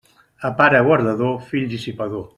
A pare guardador, fill dissipador.